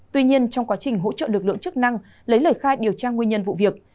tuy nhiên trong quá trình hỗ trợ lực lượng chức năng lấy lời khai điều tra nguyên nhân vụ việc